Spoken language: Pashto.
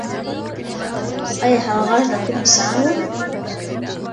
ایا هغه غږ د کوم انسان و؟